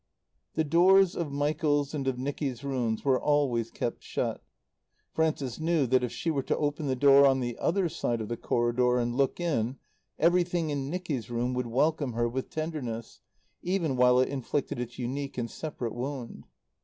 The doors of Michael's and of Nicky's rooms were always kept shut; Frances knew that, if she were to open the door on the other side of the corridor and look in, every thing in Nicky's room would welcome her with tenderness even while it inflicted its unique and separate wound.